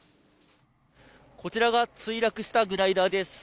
こちらが墜落したグライダーです。